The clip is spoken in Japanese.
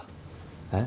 えっ？